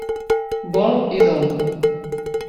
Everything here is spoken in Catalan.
Vol i dol.